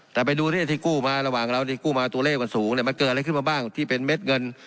แต่ไปดูที่กู้มาระหว่างเราที่กู้มาตัวเลขมันสูงมันเกิดอะไรขึ้นมาบ้างที่เป็นเม็ดเงิน